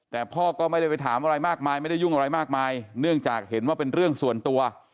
แต่พ่อก็ไม่ได้ไปถามอะไรมากมายไม่ได้ยุ่งอะไรมากมายเนื่องจากเห็นว่าเป็นเรื่องส่วนตัว